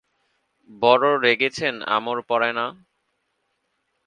বড় রেগেছেন আমর পরে না?